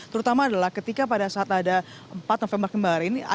terutama adalah ketika pada saat ada empat november kemarin ada jadwal kalau biasanya setiap hari